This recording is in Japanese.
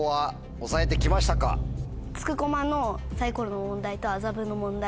筑駒のサイコロの問題と麻布の問題。